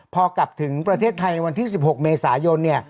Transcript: พอกลับถึงประเทศไทยในวันที่๑๖เมษายน